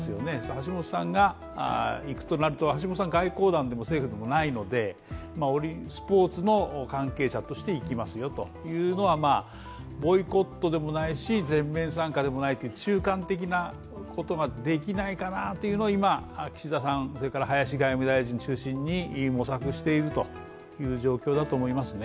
橋本さんが行くとなると、橋本さんは外交団でも政府でもないのでスポーツの関係者として行きますよというのはボイコットでもないし全面参加でもないという中間的なことができないかなというのを今、岸田さん、林外務大臣を中心に模索しているという状況だと思いますね。